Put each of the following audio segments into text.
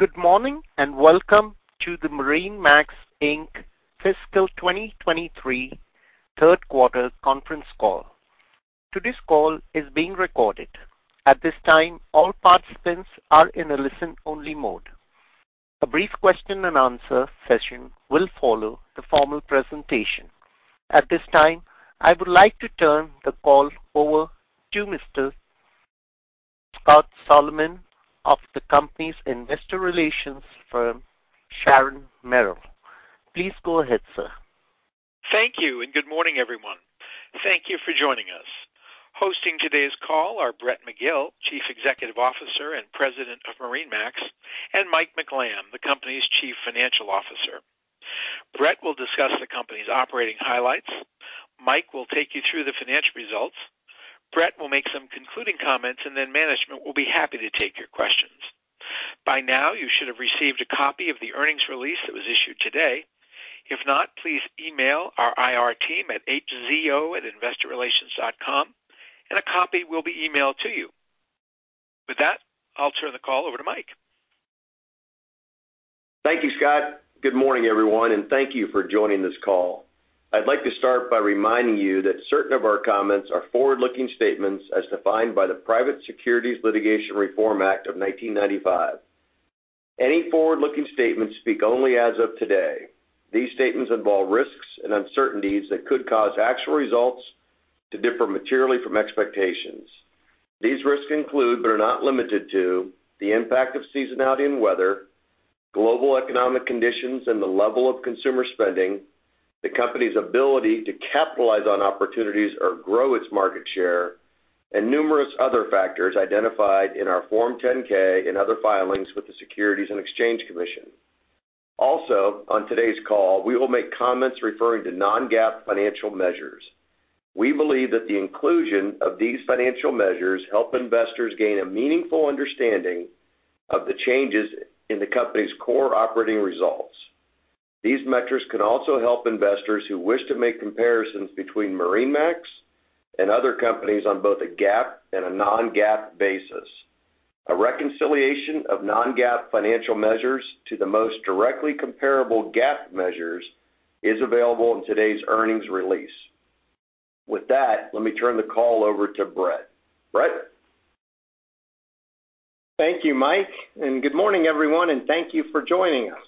Good morning, welcome to the MarineMax Inc fiscal 2023 third quarter conference call. Today's call is being recorded. At this time, all participants are in a listen-only mode. A brief question-and-answer session will follow the formal presentation. At this time, I would like to turn the call over to Mr. Scott Solomon of the company's Investor Relations firm, Sharon Merrill. Please go ahead, sir. Thank you. Good morning, everyone. Thank you for joining us. Hosting today's call are Brett McGill, Chief Executive Officer and President of MarineMax, and Mike McLamb, the company's Chief Financial Officer. Brett will discuss the company's operating highlights. Mike will take you through the financial results. Brett will make some concluding comments. Management will be happy to take your questions. By now, you should have received a copy of the earnings release that was issued today. If not, please email our IR team at HZOinvestorrelations.com. A copy will be emailed to you. With that, I'll turn the call over to Mike. Thank you, Scott. Good morning, everyone. Thank you for joining this call. I'd like to start by reminding you that certain of our comments are forward-looking statements as defined by the Private Securities Litigation Reform Act of 1995. Any forward-looking statements speak only as of today. These statements involve risks and uncertainties that could cause actual results to differ materially from expectations. These risks include, are not limited to, the impact of seasonality and weather, global economic conditions, the level of consumer spending, the company's ability to capitalize on opportunities or grow its market share, numerous other factors identified in our Form 10-K and other filings with the Securities and Exchange Commission. On today's call, we will make comments referring to non-GAAP financial measures. We believe that the inclusion of these financial measures help investors gain a meaningful understanding of the changes in the company's core operating results. These metrics can also help investors who wish to make comparisons between MarineMax and other companies on both a GAAP and a non-GAAP basis. A reconciliation of non-GAAP financial measures to the most directly comparable GAAP measures is available in today's earnings release. With that, let me turn the call over to Brett. Brett? Thank you, Mike. Good morning, everyone, and thank you for joining us.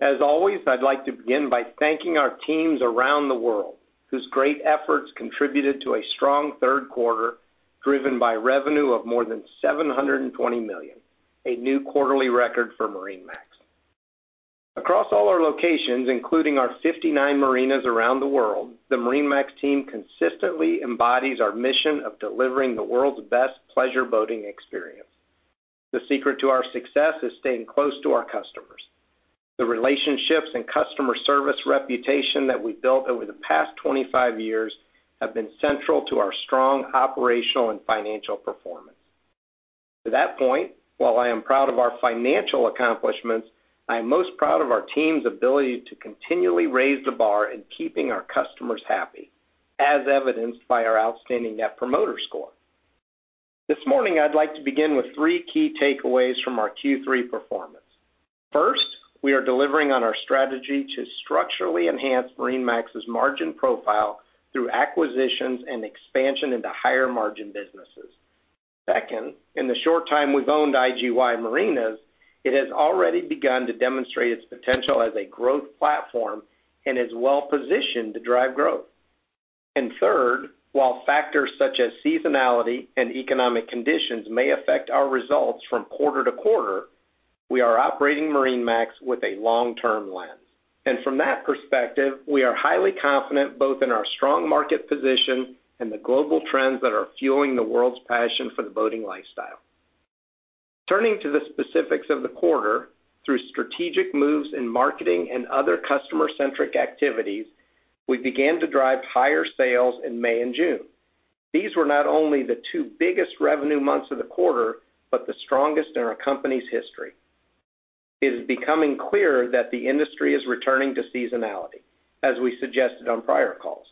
As always, I'd like to begin by thanking our teams around the world, whose great efforts contributed to a strong third quarter, driven by revenue of more than $720 million, a new quarterly record for MarineMax. Across all our locations, including our 59 marinas around the world, the MarineMax team consistently embodies our mission of delivering the world's best pleasure boating experience. The secret to our success is staying close to our customers. The relationships and customer service reputation that we've built over the past 25 years have been central to our strong operational and financial performance. To that point, while I am proud of our financial accomplishments, I am most proud of our team's ability to continually raise the bar in keeping our customers happy, as evidenced by our outstanding Net Promoter Score. This morning, I'd like to begin with three key takeaways from our Q3 performance. First, we are delivering on our strategy to structurally enhance MarineMax's margin profile through acquisitions and expansion into higher-margin businesses. Second, in the short time we've owned IGY Marinas, it has already begun to demonstrate its potential as a growth platform and is well positioned to drive growth. Third, while factors such as seasonality and economic conditions may affect our results from quarter to quarter, we are operating MarineMax with a long-term lens. From that perspective, we are highly confident both in our strong market position and the global trends that are fueling the world's passion for the boating lifestyle. Turning to the specifics of the quarter, through strategic moves in marketing and other customer-centric activities, we began to drive higher sales in May and June. These were not only the two biggest revenue months of the quarter, but the strongest in our company's history. It is becoming clear that the industry is returning to seasonality, as we suggested on prior calls.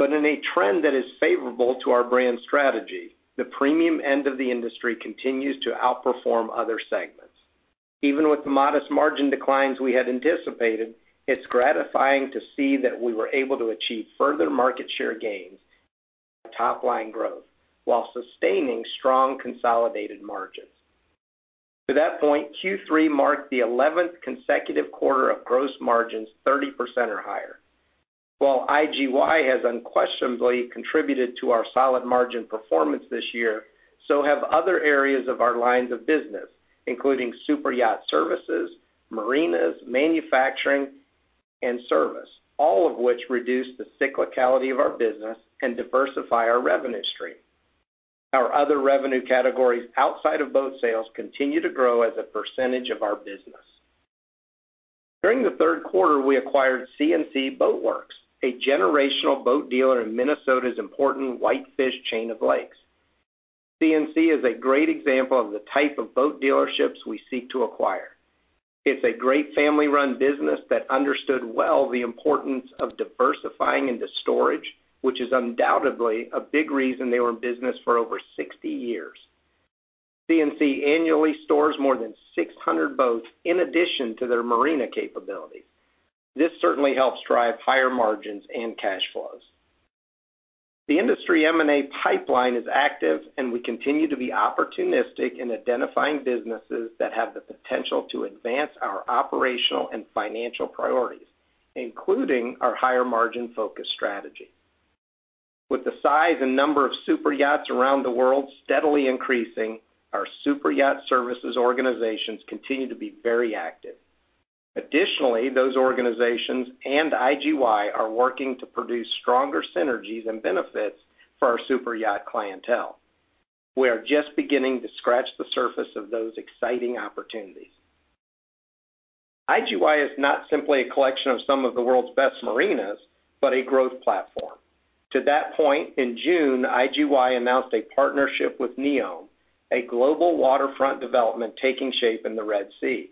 In a trend that is favorable to our brand strategy, the premium end of the industry continues to outperform other segments. Even with the modest margin declines we had anticipated, it's gratifying to see that we were able to achieve further market share gains, top-line growth, while sustaining strong consolidated margins. To that point, Q3 marked the 11th consecutive quarter of gross margins 30% or higher. While IGY has unquestionably contributed to our solid margin performance this year, so have other areas of our lines of business, including super yacht services, marinas, manufacturing, and service, all of which reduce the cyclicality of our business and diversify our revenue stream. Our other revenue categories outside of boat sales continue to grow as a percentage of our business. During the third quarter, we acquired C&C Boat Works, a generational boat dealer in Minnesota's important Whitefish Chain of Lakes. C&C is a great example of the type of boat dealerships we seek to acquire. It's a great family-run business that understood well the importance of diversifying into storage, which is undoubtedly a big reason they were in business for over 60 years. C&C annually stores more than 600 boats in addition to their marina capabilities. This certainly helps drive higher margins and cash flows. The industry M&A pipeline is active, and we continue to be opportunistic in identifying businesses that have the potential to advance our operational and financial priorities, including our higher margin focus strategy. With the size and number of super yacht around the world steadily increasing, our super yacht services organizations continue to be very active. Additionally, those organizations and IGY are working to produce stronger synergies and benefits for our super yacht clientele. We are just beginning to scratch the surface of those exciting opportunities. IGY is not simply a collection of some of the world's best marinas, but a growth platform. To that point, in June, IGY announced a partnership with NEOM, a global waterfront development taking shape in the Red Sea.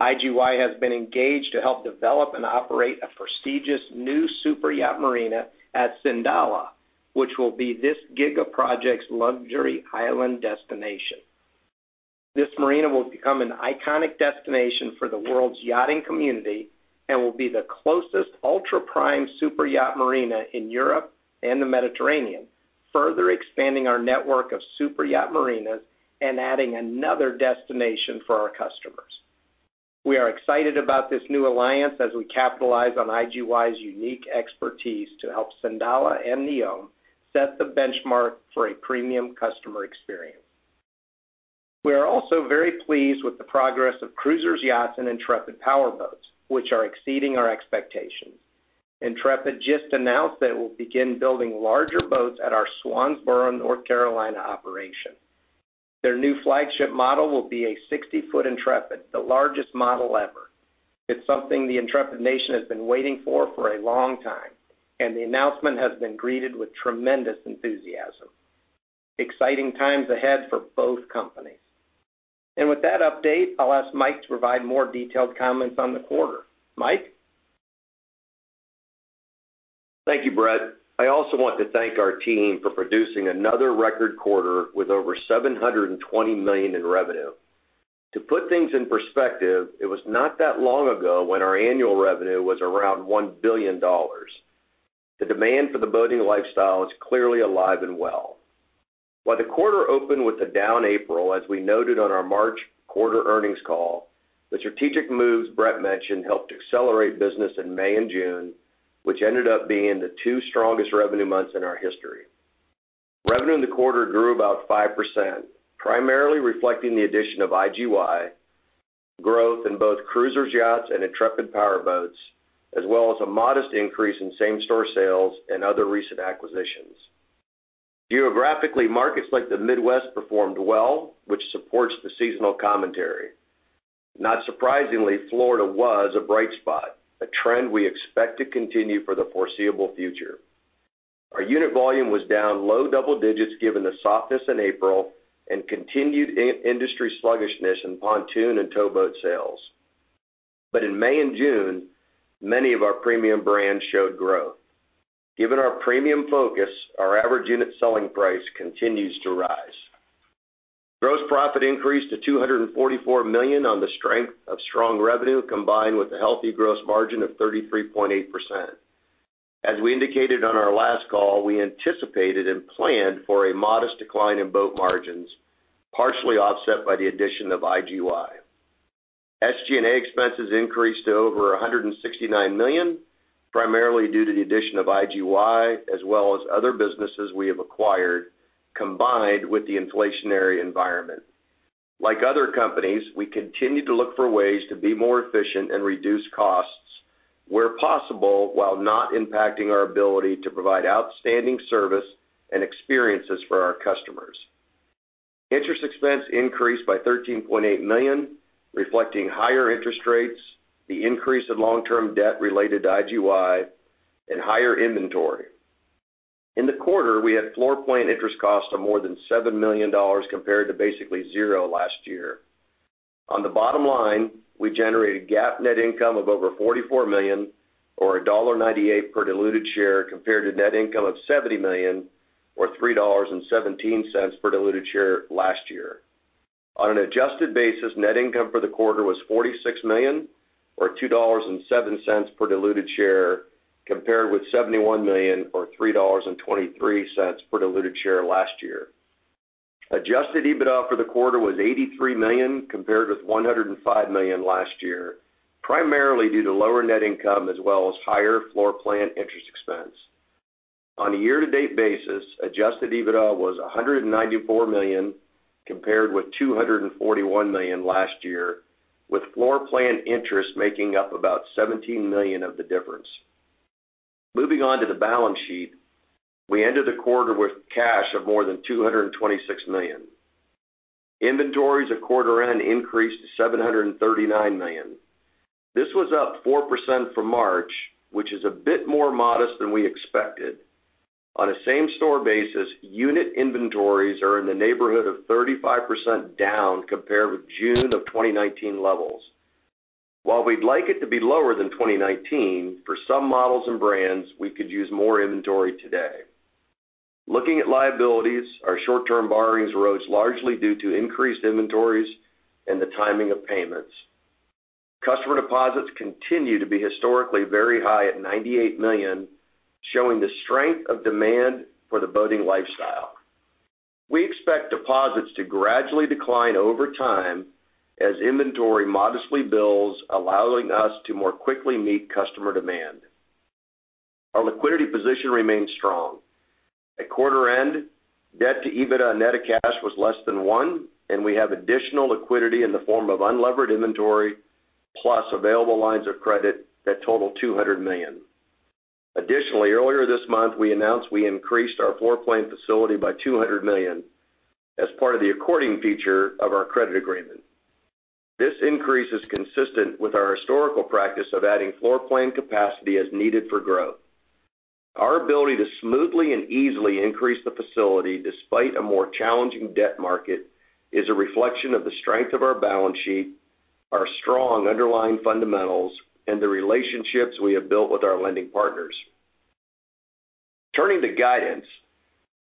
IGY has been engaged to help develop and operate a prestigious new super yacht marina at Sindalah, which will be this giga project's luxury island destination. This marina will become an iconic destination for the world's yachting community and will be the closest ultra-prime super yacht marina in Europe and the Mediterranean, further expanding our network of super yacht marinas and adding another destination for our customers. We are excited about this new alliance as we capitalize on IGY's unique expertise to help Sindalah and NEOM set the benchmark for a premium customer experience. We are also very pleased with the progress of Cruisers Yachts and Intrepid Powerboats, which are exceeding our expectations. Intrepid just announced that it will begin building larger boats at our Swansboro, North Carolina, operation. Their new flagship model will be a 60 ft Intrepid, the largest model ever. It's something the Intrepid nation has been waiting for for a long time, and the announcement has been greeted with tremendous enthusiasm. Exciting times ahead for both companies. With that update, I'll ask Mike to provide more detailed comments on the quarter. Mike? Thank you, Brett. I also want to thank our team for producing another record quarter with over $720 million in revenue. To put things in perspective, it was not that long ago when our annual revenue was around $1 billion. The demand for the boating lifestyle is clearly alive and well. While the quarter opened with a down April, as we noted on our March quarter earnings call, the strategic moves Brett mentioned helped accelerate business in May and June, which ended up being the two strongest revenue months in our history. Revenue in the quarter grew about 5%, primarily reflecting the addition of IGY, growth in both Cruisers Yachts and Intrepid Powerboats, as well as a modest increase in same-store sales and other recent acquisitions. Geographically, markets like the Midwest performed well, which supports the seasonal commentary. Florida was a bright spot, a trend we expect to continue for the foreseeable future. Our unit volume was down low double-digits, given the softness in April and continued in-industry sluggishness in pontoon and towboat sales. In May and June, many of our premium brands showed growth. Given our premium focus, our average unit selling price continues to rise. Gross profit increased to $244 million on the strength of strong revenue, combined with a healthy gross margin of 33.8%. As we indicated on our last call, we anticipated and planned for a modest decline in boat margins, partially offset by the addition of IGY. SG&A expenses increased to over $169 million, primarily due to the addition of IGY, as well as other businesses we have acquired, combined with the inflationary environment. Like other companies, we continue to look for ways to be more efficient and reduce costs where possible, while not impacting our ability to provide outstanding service and experiences for our customers. Interest expense increased by $13.8 million, reflecting higher interest rates, the increase in long-term term debt related to IGY, and higher inventory. In the quarter, we had floorplan interest costs of more than $7 million compared to basically zero last year. On the bottom line, we generated GAAP net income of over $44 million, or $1.98 per diluted share, compared to net income of $70 million, or $3.17 per diluted share last year. On an adjusted basis, net income for the quarter was $46 million, or $2.07 per diluted share, compared with $71 million, or $3.23 per diluted share last year. Adjusted EBITDA for the quarter was $83 million, compared with $105 million last year, primarily due to lower net income as well as higher floorplan interest expense. On a year-to-date basis, adjusted EBITDA was $194 million, compared with $241 million last year, with floorplan interest making up about $17 million of the difference. Moving on to the balance sheet. We ended the quarter with cash of more than $226 million. Inventories at quarter end increased to $739 million. This was up 4% from March, which is a bit more modest than we expected. On a same-store basis, unit inventories are in the neighborhood of 35% down compared with June of 2019 levels. While we'd like it to be lower than 2019, for some models and brands, we could use more inventory today. Looking at liabilities, our short-term borrowings rose largely due to increased inventories and the timing of payments. Customer deposits continue to be historically very high at $98 million, showing the strength of demand for the boating lifestyle. We expect deposits to gradually decline over time as inventory modestly builds, allowing us to more quickly meet customer demand. Our liquidity position remains strong. At quarter end, debt to EBITDA net of cash was less than 1, and we have additional liquidity in the form of unlevered inventory, plus available lines of credit that total $200 million. Additionally, earlier this month, we announced we increased our floorplan facility by $200 million as part of the according feature of our credit agreement. This increase is consistent with our historical practice of adding floorplan capacity as needed for growth. Our ability to smoothly and easily increase the facility despite a more challenging debt market, is a reflection of the strength of our balance sheet, our strong underlying fundamentals, and the relationships we have built with our lending partners. Turning to guidance.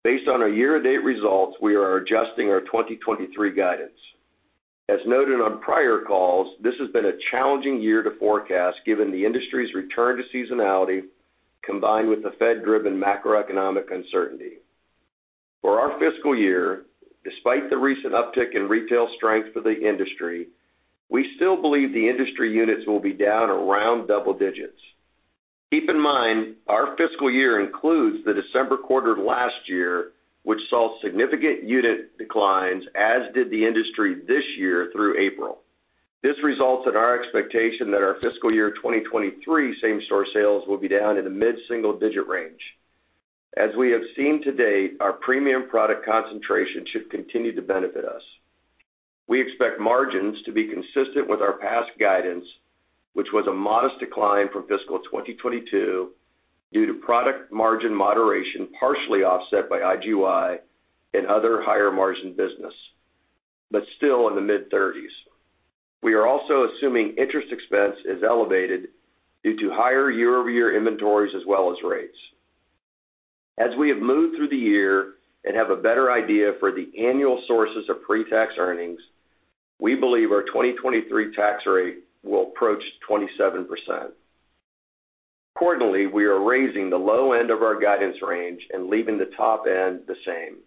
Based on our year-to-date results, we are adjusting our 2023 guidance. As noted on prior calls, this has been a challenging year to forecast, given the industry's return to seasonality, combined with the Fed-driven macroeconomic uncertainty. For our fiscal year, despite the recent uptick in retail strength for the industry, we still believe the industry units will be down around double digits. Keep in mind, our fiscal year includes the December quarter of last year, which saw significant unit declines, as did the industry this year through April. This results in our expectation that our fiscal year 2023 same-store sales will be down in the mid-single digit range. As we have seen to date, our premium product concentration should continue to benefit us. We expect margins to be consistent with our past guidance, which was a modest decline from fiscal 2022 due to product margin moderation, partially offset by IGY and other higher-margin business, but still in the mid-30s%. We are also assuming interest expense is elevated due to higher year-over-year inventories as well as rates. As we have moved through the year and have a better idea for the annual sources of pretax earnings, we believe our 2023 tax rate will approach 27%. Accordingly, we are raising the low end of our guidance range and leaving the top end the same.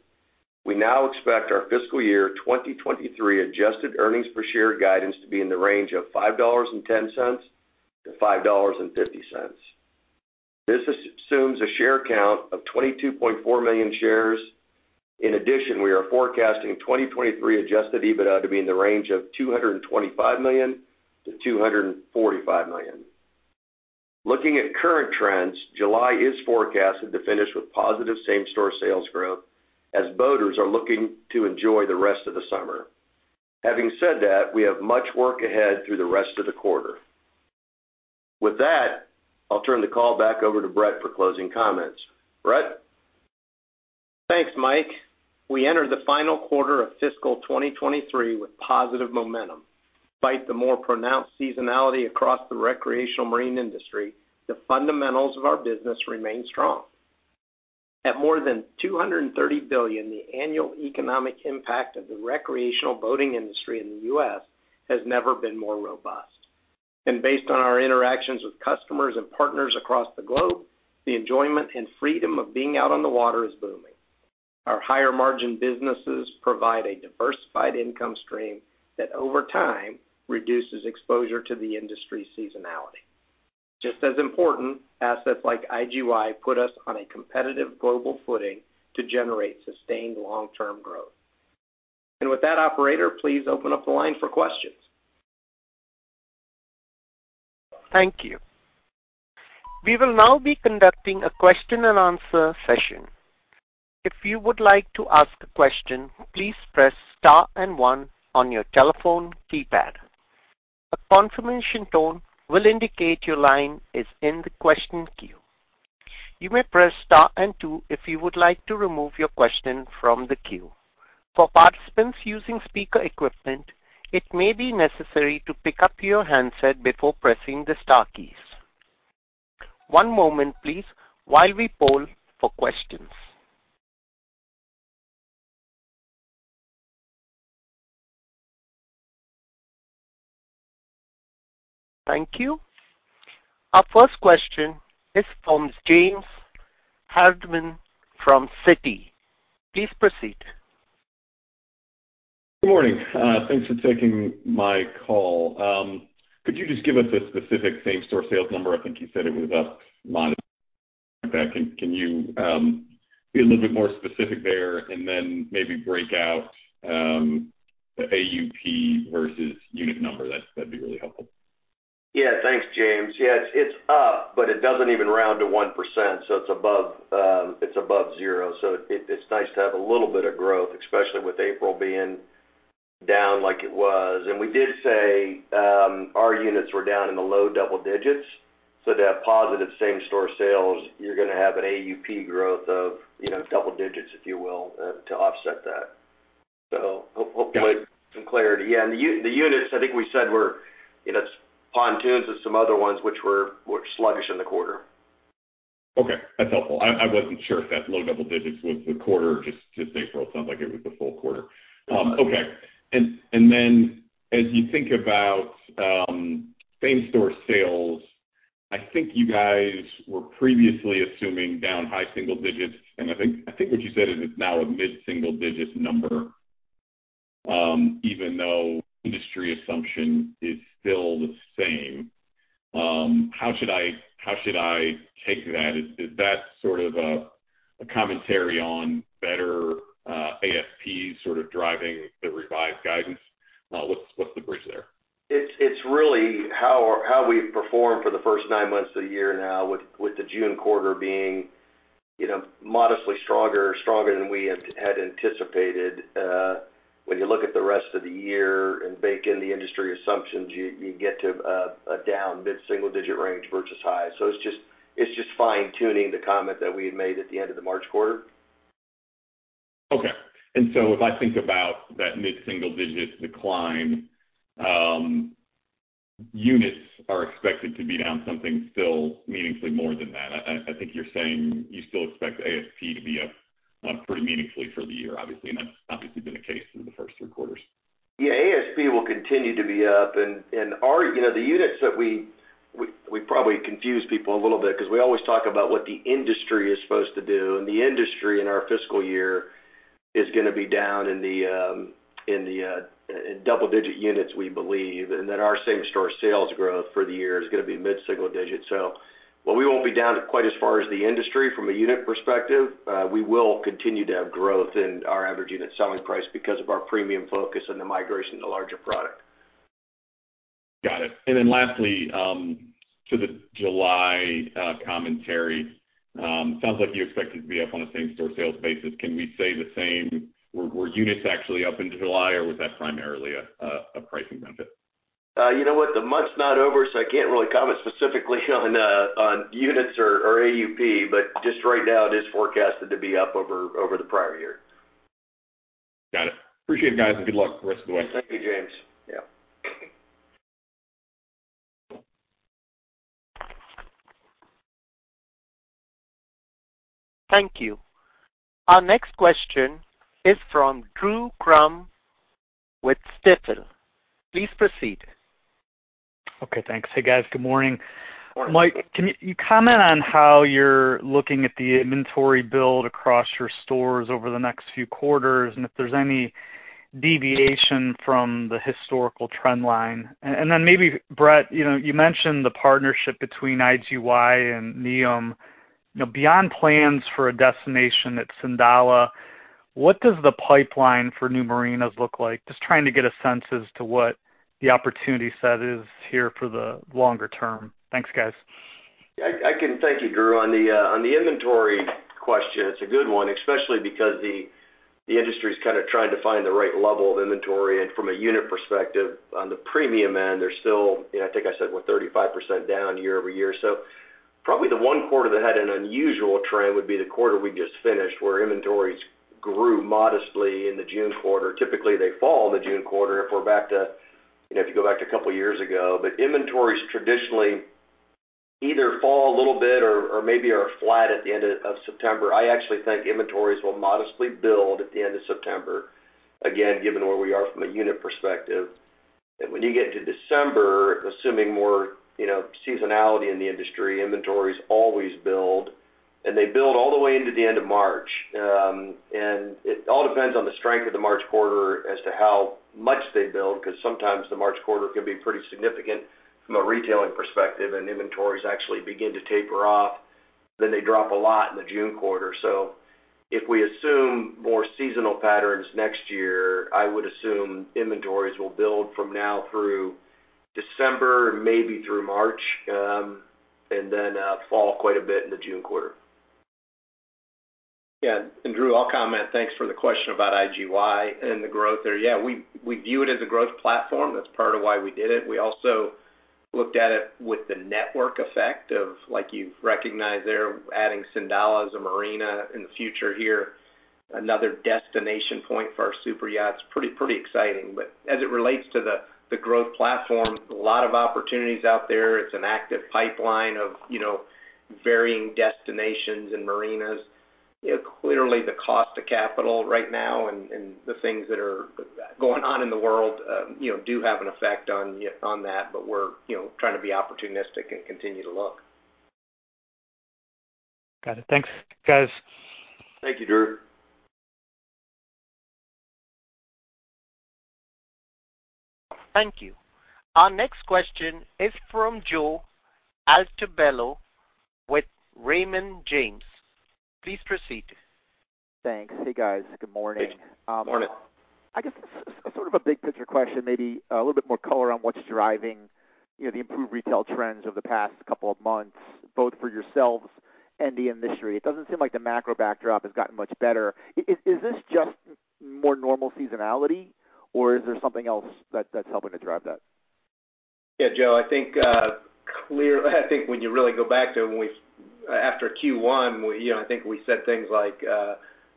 We now expect our fiscal year 2023 adjusted earnings per share guidance to be in the range of $5.10-$5.50. This assumes a share count of 22.4 million shares. In addition, we are forecasting 2023 adjusted EBITDA to be in the range of $225 million-$245 million. Looking at current trends, July is forecasted to finish with positive same-store sales growth as boaters are looking to enjoy the rest of the summer. Having said that, we have much work ahead through the rest of the quarter. With that, I'll turn the call back over to Brett for closing comments. Brett? Thanks, Mike. We entered the final quarter of fiscal 2023 with positive momentum. Despite the more pronounced seasonality across the recreational marine industry, the fundamentals of our business remain strong. At more than $230 billion, the annual economic impact of the recreational boating industry in the U.S. has never been more robust. Based on our interactions with customers and partners across the globe, the enjoyment and freedom of being out on the water is booming. Our higher-margin businesses provide a diversified income stream that, over time, reduces exposure to the industry seasonality. Just as important, assets like IGY put us on a competitive global footing to generate sustained long-term growth. With that, operator, please open up the line for questions. Thank you. We will now be conducting a question-and-answer session. If you would like to ask a question, please press star and one on your telephone keypad. A confirmation tone will indicate your line is in the question queue. You may press star and two if you would like to remove your question from the queue. For participants using speaker equipment, it may be necessary to pick up your handset before pressing the star keys. One moment, please, while we poll for questions. Thank you. Our first question is from James Hardiman from Citigroup. Please proceed. Good morning. Thanks for taking my call. Could you just give us a specific same-store sales number? I think you said it was up modestly. Can you be a little bit more specific there and then maybe break out the AUP versus unit number? That'd be really helpful. Yeah, thanks, James. Yes, it's up, but it doesn't even round to 1%, it's above, it's above zero. It, it's nice to have a little bit of growth, especially with April down like it was. We did say, our units were down in the low double digits. To have positive same-store sales, you're going to have an AUP growth of, you know, double digits, if you will, to offset that. Hopefully, some clarity. Yeah, the units, I think we said, were, you know, pontoons and some other ones which were sluggish in the quarter. Okay, that's helpful. I wasn't sure if that low double digits was the quarter or just April. It sounds like it was the full quarter. Okay. Then as you think about same-store sales, I think you guys were previously assuming down high single digits, and I think what you said is it's now a mid-single-digit number, even though industry assumption is still the same. How should I take that? Is that sort of a commentary on better ASP sort of driving the revised guidance? What's the bridge there? It's really how we've performed for the first nine months of the year now, with the June quarter being, you know, modestly stronger than we had anticipated. When you look at the rest of the year and bake in the industry assumptions, you get to a down mid-single-digit range versus high. It's just fine-tuning the comment that we had made at the end of the March quarter. Okay. If I think about that mid-single-digit decline, units are expected to be down something still meaningfully more than that. I think you're saying you still expect ASP to be up pretty meaningfully for the year, obviously, and that's obviously been the case for the first three quarters. ASP will continue to be up. You know, the units that we probably confuse people a little bit because we always talk about what the industry is supposed to do. The industry in our fiscal year is going to be down in the double-digit units, we believe, and then our same-store sales growth for the year is going to be mid-single digits. While we won't be down quite as far as the industry from a unit perspective, we will continue to have growth in our average unit selling price because of our premium focus and the migration to larger product. Got it. Lastly, to the July commentary, sounds like you expect it to be up on a same-store sales basis. Can we say the same? Were units actually up in July, or was that primarily a pricing benefit? You know what? The month's not over, so I can't really comment specifically on units or, or AUP, but just right now, it is forecasted to be up over the prior year. Got it. Appreciate it, guys, and good luck the rest of the way. Thank you, James. Yeah. Thank you. Our next question is from Drew Crum with Stifel. Please proceed. Okay, thanks. Hey, guys. Good morning. Morning. Mike, can you comment on how you're looking at the inventory build across your stores over the next few quarters, if there's any deviation from the historical trend line? Maybe, Brett, you know, you mentioned the partnership between IGY and NEOM. You know, beyond plans for a destination at Sindalah, what does the pipeline for new marinas look like? Just trying to get a sense as to what the opportunity set is here for the longer term. Thanks, guys. I can thank you, Drew. On the inventory question, it's a good one, especially because the industry is kind of trying to find the right level of inventory. From a unit perspective, on the premium end, they're still, you know, I think I said we're 35% down year-over-year. Probably the one quarter that had an unusual trend would be the quarter we just finished, where inventories grew modestly in the June quarter. Typically, they fall in the June quarter if we're back to, you know, if you go back to a couple of years ago. Inventories traditionally either fall a little bit or maybe are flat at the end of September. I actually think inventories will modestly build at the end of September, again, given where we are from a unit perspective. When you get to December, assuming more, you know, seasonality in the industry, inventories always build, and they build all the way into the end of March. It all depends on the strength of the March quarter as to how much they build, because sometimes the March quarter can be pretty significant from a retailing perspective, and inventories actually begin to taper off. They drop a lot in the June quarter. If we assume more seasonal patterns next year, I would assume inventories will build from now through December, maybe through March, and then fall quite a bit in the June quarter. Yeah, Drew, I'll comment. Thanks for the question about IGY and the growth there. Yeah, we view it as a growth platform. That's part of why we did it. We also looked at it with the network effect of, like you've recognized there, adding Sindalah as a marina in the future here, another destination point for our super yachts. Pretty exciting. As it relates to the, the growth platform, a lot of opportunities out there. It's an active pipeline of, you know, varying destinations and marinas. You know, clearly, the cost of capital right now and, and the things that are going on in the world, you know, do have an effect on, on that, but we're, you know, trying to be opportunistic and continue to look. Got it. Thanks, guys. Thank you, Drew. Thank you. Our next question is from Joe Altobello with Raymond James. Please proceed. Thanks. Hey, guys. Good morning. Morning. I guess sort of a big picture question, maybe a little bit more color on what's driving, you know, the improved retail trends over the past couple of months, both for yourselves-... and the industry, it doesn't seem like the macro backdrop has gotten much better. Is this just more normal seasonality, or is there something else that's helping to drive that? Yeah, Joe, I think when you really go back to when we after Q1, we, you know, I think we said things like,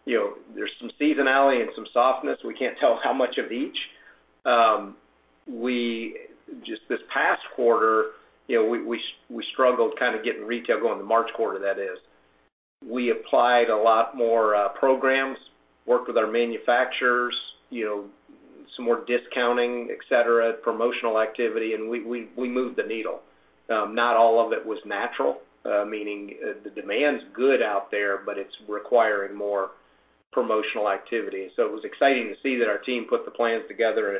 you know, there's some seasonality and some softness. We can't tell how much of each. Just this past quarter, you know, we struggled kind of getting retail going, the March quarter, that is. We applied a lot more programs, worked with our manufacturers, you know, some more discounting, et cetera, promotional activity, and we moved the needle. Not all of it was natural, meaning the demand's good out there, but it's requiring more promotional activity. It was exciting to see that our team put the plans together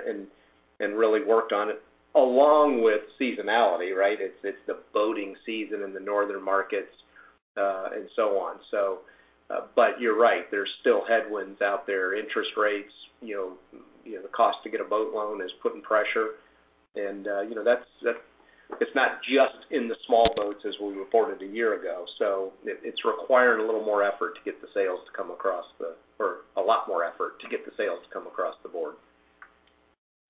and really worked on it, along with seasonality, right? It's the boating season in the northern markets, and so on. You're right, there's still headwinds out there. Interest rates, you know, the cost to get a boat loan is putting pressure. You know, that's it's not just in the small boats, as we reported a year ago. It, it's requiring a lot more effort to get the sales to come across the board.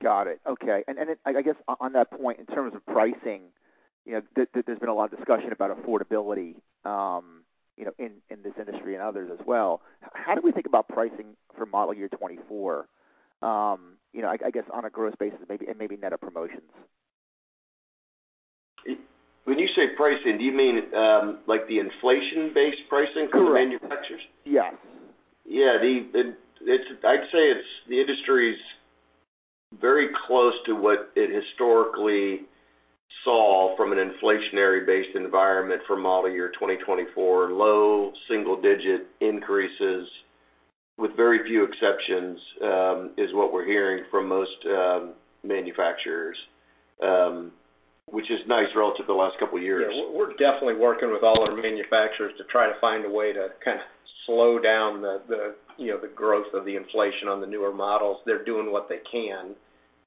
Got it. Okay. I guess on that point, in terms of pricing, you know, there's been a lot of discussion about affordability, you know, in this industry and others as well. How do we think about pricing for model year 24? You know, I guess, on a gross basis, maybe, and maybe net of promotions. When you say pricing, do you mean, like the inflation-based pricing— Correct. —from manufacturers? Yeah. I'd say it's the industry's very close to what it historically saw from an inflationary-based environment for model year 2024. Low single-digit increases, with very few exceptions, is what we're hearing from most manufacturers, which is nice relative to the last couple of years. Yeah. We're definitely working with all our manufacturers to try to find a way to kind of slow down the, you know, the growth of the inflation on the newer models. They're doing what they can,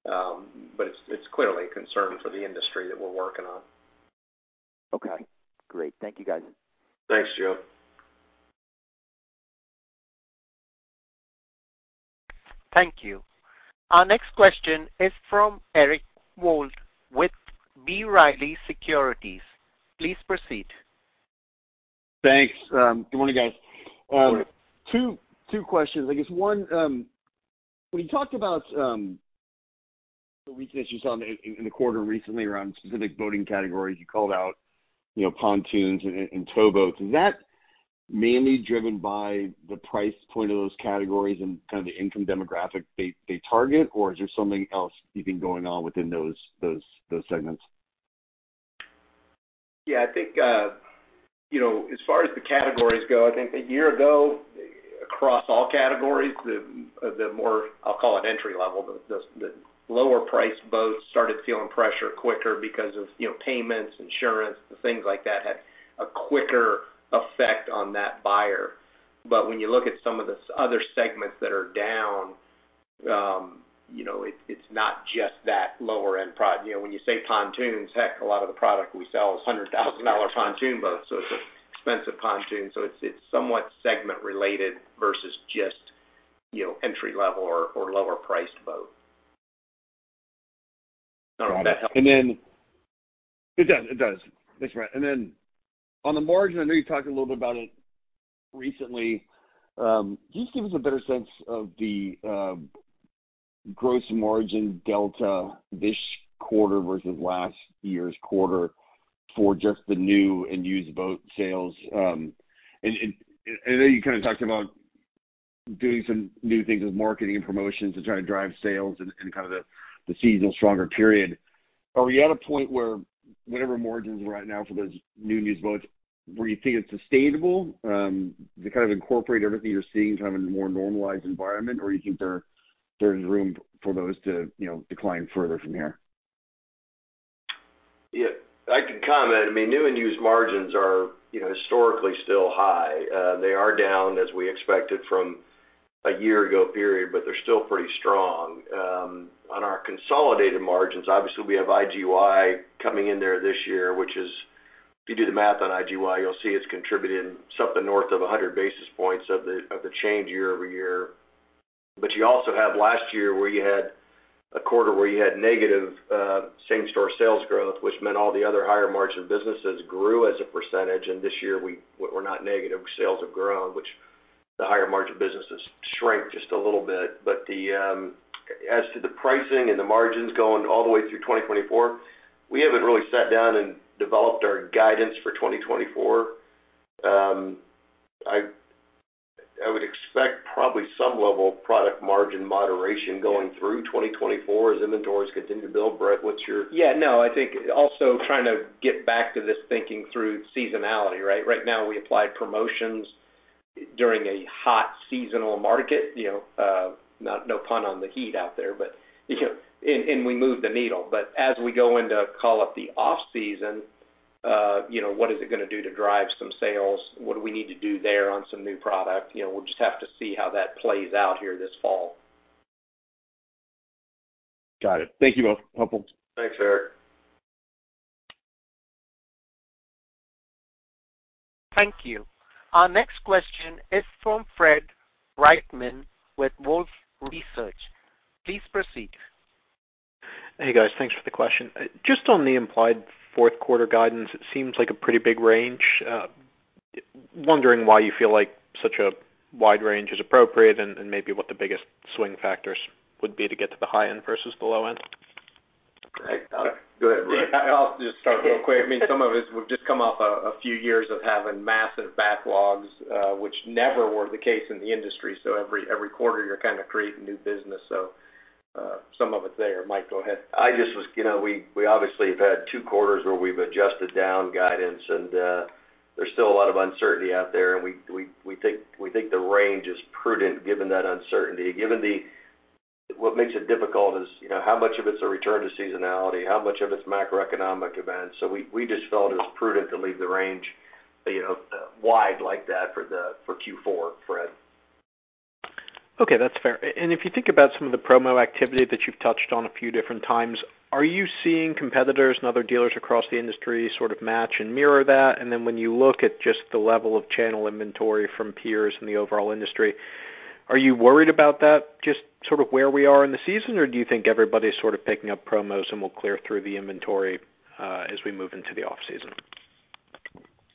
but it's clearly a concern for the industry that we're working on. Okay, great. Thank you, guys. Thanks, Joe. Thank you. Our next question is from Eric Wold with B. Riley Securities. Please proceed. Thanks. Good morning, guys. Sure. Two questions. I guess one, when you talked about the weakness you saw in the quarter recently around specific boating categories, you called out, you know, pontoons and towboats. Is that mainly driven by the price point of those categories and kind of the income demographic they target, or is there something else even going on within those segments? I think, you know, as far as the categories go, I think a year ago, across all categories, the, the more, I'll call it, entry-level, the, the, the lower-priced boats started feeling pressure quicker because of, you know, payments, insurance, and things like that had a quicker effect on that buyer. When you look at some of the other segments that are down, you know, it, it's not just that lower-end product. You know, when you say pontoons, heck, a lot of the product we sell is $100,000 pontoon boats, so it's expensive pontoons. It's, it's somewhat segment-related versus just, you know, entry-level or, or lower-priced boat. I don't know if that helps. It does, it does. Thanks, Brett. On the margin, I know you talked a little bit about it recently. Just give us a better sense of the gross margin delta this quarter versus last year's quarter for just the new and used boat sales. And I know you kind of talked about doing some new things with marketing and promotions to try to drive sales and kind of the seasonal stronger period. Are we at a point where whatever margins are right now for those new and used boats, where you think it's sustainable, to kind of incorporate everything you're seeing kind of in a more normalized environment, or you think there's room for those to, you know, decline further from here? Yeah, I can comment. I mean, new and used margins are, you know, historically still high. They are down, as we expected from a year ago period, but they're still pretty strong. On our consolidated margins, obviously, we have IGY coming in there this year, which is, if you do the math on IGY, you'll see it's contributing something north of 100 basis points of the, of the change year-over-year. You also have last year, where you had a quarter where you had negative same-store sales growth, which meant all the other higher margin businesses grew as a percentage, and this year we're not negative. Sales have grown, which the higher margin businesses shrank just a little bit. As to the pricing and the margins going all the way through 2024, we haven't really sat down and developed our guidance for 2024. I would expect probably some level of product margin moderation going through 2024 as inventories continue to build. Brett. Yeah, no, I think also trying to get back to this thinking through seasonality, right? Right now, we applied promotions during a hot seasonal market, you know, no pun on the heat out there, but, you know, and we moved the needle. As we go into, call it, the off-season, you know, what is it going to do to drive some sales? What do we need to do there on some new product? You know, we'll just have to see how that plays out here this fall. Got it. Thank you both. Helpful. Thanks, Eric. Thank you. Our next question is from Fred Wightman with Wolfe Research. Please proceed. Hey, guys. Thanks for the question. Just on the implied fourth quarter guidance, it seems like a pretty big range. Wondering why you feel like such a wide range is appropriate and maybe what the biggest swing factors would be to get to the high end versus the low end? Hey, go ahead, Mike. I'll just start real quick. I mean, some of it, we've just come off a few years of having massive backlogs, which never were the case in the industry. Every, every quarter, you're kind of creating new business. Some of it's there. Mike, go ahead. I just, you know, we obviously have had two quarters where we've adjusted down guidance, and there's still a lot of uncertainty out there. We think the range is prudent, given that uncertainty, given what makes it difficult is, you know, how much of it is a return to seasonality, how much of it's macroeconomic events? We just felt it was prudent to leave the range, you know, wide like that for Q4, Fred. Okay, that's fair. If you think about some of the promo activity that you've touched on a few different times, are you seeing competitors and other dealers across the industry sort of match and mirror that? When you look at just the level of channel inventory from peers in the overall industry, are you worried about that, just sort of where we are in the season? Do you think everybody's sort of picking up promos and we'll clear through the inventory as we move into the off-season?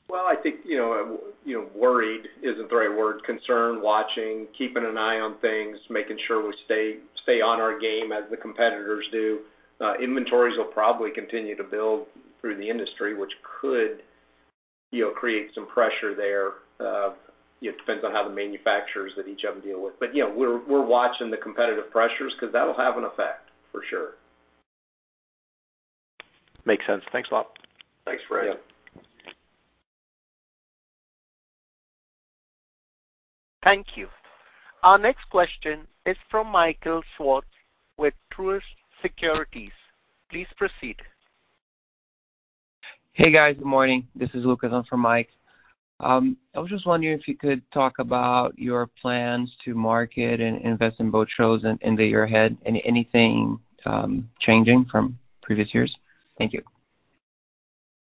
Well, I think, you know, you know, worried isn't the right word. Concerned, watching, keeping an eye on things, making sure we stay on our game as the competitors do. Inventories will probably continue to build through the industry, which could, you know, create some pressure there. It depends on how the manufacturers that each of them deal with. You know, we're watching the competitive pressures because that'll have an effect, for sure. Makes sense. Thanks a lot. Thanks, Fred. Yeah. Thank you. Our next question is from Michael Swartz, with Truist Securities. Please proceed. Hey, guys. Good morning. This is Lucas in for Mike. I was just wondering if you could talk about your plans to market and invest in boat shows in the year ahead, and anything changing from previous years? Thank you.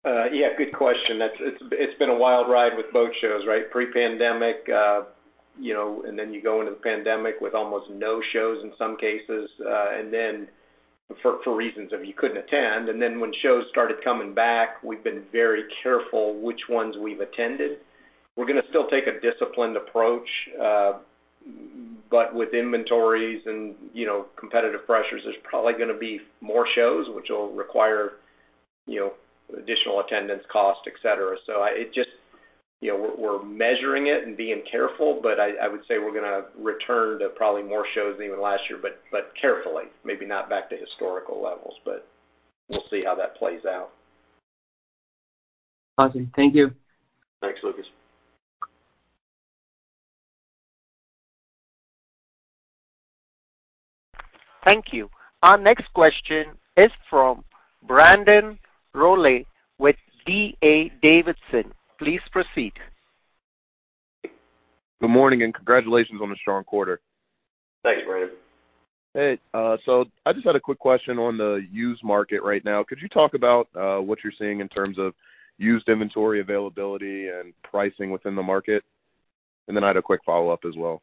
Yeah, good question. It's been a wild ride with boat shows, right? Pre-pandemic, you know, you go into the pandemic with almost no shows in some cases, for reasons of you couldn't attend. When shows started coming back, we've been very careful which ones we've attended. We're going to still take a disciplined approach, but with inventories and, you know, competitive pressures, there's probably going to be more shows which will require, you know, additional attendance costs, et cetera. It just, you know, we're measuring it and being careful, but I would say we're going to return to probably more shows even last year, but carefully, maybe not back to historical levels, but we'll see how that plays out. Awesome. Thank you. Thanks, Lucas. Thank you. Our next question is from Brandon Rollé, with D.A. Davidson. Please proceed. Good morning, and congratulations on a strong quarter. Thanks, Brandon. Hey, I just had a quick question on the used market right now. Could you talk about what you're seeing in terms of used inventory availability and pricing within the market? I had a quick follow-up as well.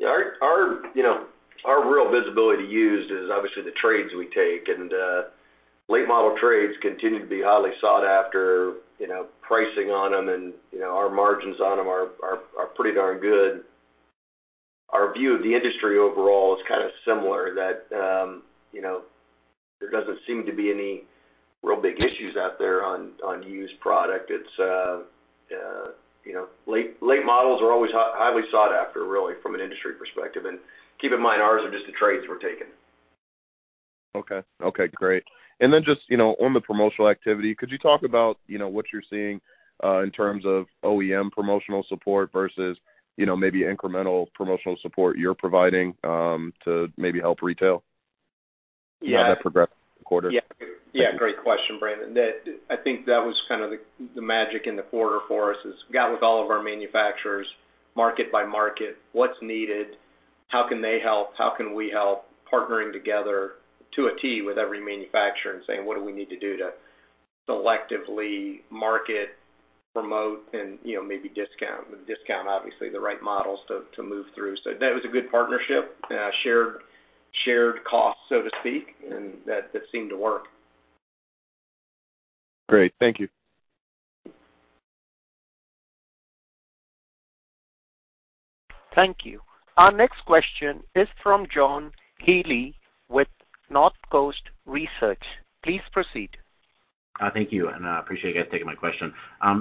Yeah, our, you know, our real visibility to used is obviously the trades we take, and late model trades continue to be highly sought after, you know, pricing on them and, you know, our margins on them are pretty darn good. Our view of the industry overall is kind of similar, that, you know, there doesn't seem to be any real big issues out there on used product. It's, you know, late models are always highly sought after, really, from an industry perspective. Keep in mind, ours are just the trades we're taking. Okay. Okay, great. Then just, you know, on the promotional activity, could you talk about, you know, what you're seeing in terms of OEM promotional support versus, you know, maybe incremental promotional support you're providing to maybe help retail? Yeah. How that progressed this quarter. Yeah. Yeah, great question, Brandon. I think that was kind of the, the magic in the quarter for us, is got with all of our manufacturers, market by market, what's needed, how can they help, how can we help partnering together to a tee with every manufacturer and saying: What do we need to do to selectively market, promote, and, you know, maybe discount. Discount, obviously, the right models to, to move through. That was a good partnership, shared costs, so to speak, and that, that seemed to work. Great. Thank you. Thank you. Our next question is from John Healy with Northcoast Research. Please proceed. Thank you. I appreciate you guys taking my question.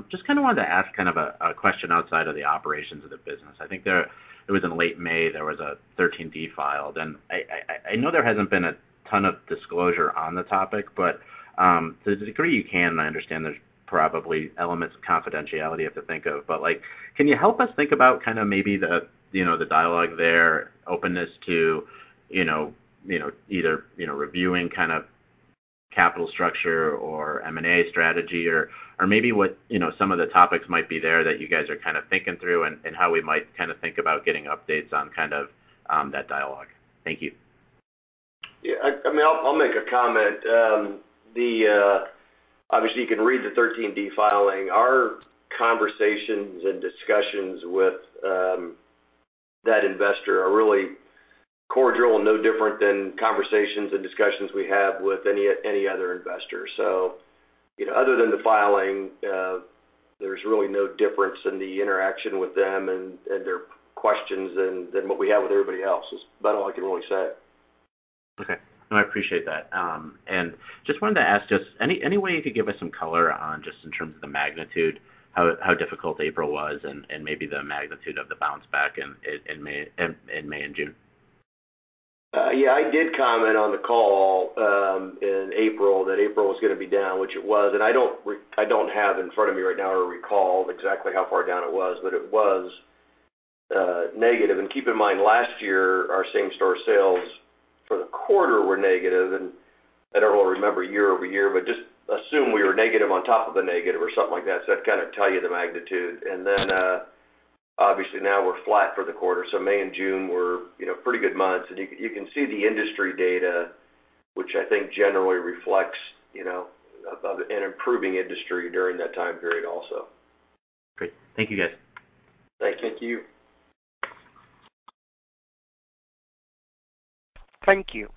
Just kind of wanted to ask kind of a question outside of the operations of the business. I think it was in late May, there was a 13D filed. I know there hasn't been a ton of disclosure on the topic. To the degree you can, I understand there's probably elements of confidentiality you have to think of. Like, can you help us think about kind of maybe the, you know, the dialogue there, openness to either reviewing kind of— — capital structure or M&A strategy, or maybe what, you know, some of the topics might be there that you guys are kind of thinking through and, and how we might kind of think about getting updates on kind of that dialogue. Thank you. Yeah, I mean, I'll make a comment. Obviously, you can read the 13D filing. Our conversations and discussions with that investor are really cordial and no different than conversations and discussions we have with any other investor. You know, other than the filing, there's really no difference in the interaction with them and their questions than what we have with everybody else. It's about all I can really say. Okay. No, I appreciate that. Just wanted to ask, just any way you could give us some color on just in terms of the magnitude, how difficult April was and maybe the magnitude of the bounce back in May and June? Yeah, I did comment on the call in April, that April was gonna be down, which it was, and I don't have in front of me right now or recall exactly how far down it was, but it was negative. Keep in mind, last year, our same-store sales for the quarter were negative, and I don't remember year-over-year, but just assume we were negative on top of the negative or something like that. That kind of tell you the magnitude. Obviously, now we're flat for the quarter, so May and June were, you know, pretty good months. You can see the industry data, which I think generally reflects, you know, an improving industry during that time period also. Great. Thank you, guys. Thank you. Thank you.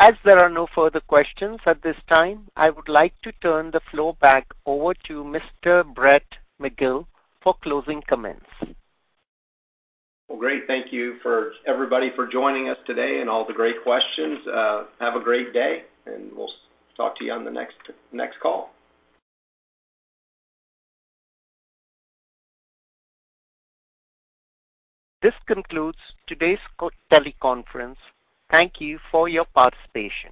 As there are no further questions at this time, I would like to turn the floor back over to Mr. Brett McGill for closing comments. Well, great. Thank you for everybody for joining us today and all the great questions. Have a great day, and we'll talk to you on the next call. This concludes today's teleconference. Thank you for your participation.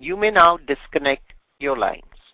You may now disconnect your lines.